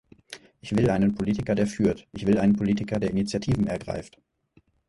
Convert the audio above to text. Ich will einen Politiker, der führt, ich will einen Politiker, der Initiativen ergreift.